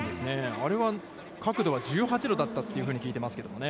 あれは、角度は１８度だったというふうに聞いていますけどね。